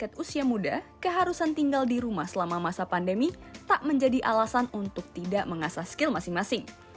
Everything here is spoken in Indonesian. tim pelatih juga tidak diadaptasi alasan untuk tidak mengasah skill masing masing